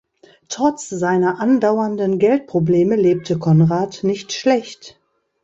Trotz seiner andauernden Geldprobleme lebte Konrad nicht schlecht.